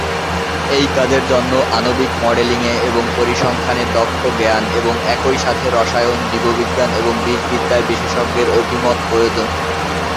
এই কাজের জন্য আণবিক মডেলিংয়ে এবং পরিসংখ্যানে দক্ষ জ্ঞান এবং একইসাথে রসায়ন, জীববিজ্ঞান এবং বিষবিদ্যায় বিশেষজ্ঞের অভিমত প্রয়োজন।